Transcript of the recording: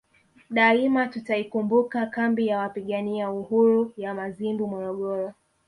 Daima tutaikumbuka kambi ya Wapigania Uhuru ya Mazimbu Morogoro